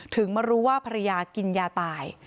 มารู้ว่าภรรยากินยาตาย